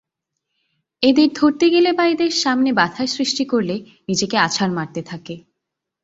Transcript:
এদের ধরতে গেলে বা এদের সামনে বাধার সৃষ্টি করলে নিজেকে আছাড় মারতে থাকে।